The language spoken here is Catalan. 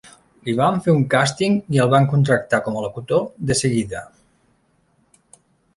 Li van fer un càsting i el van contractar com a locutor de seguida.